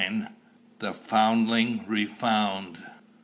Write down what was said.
THE FOUNDLING RE FOUND.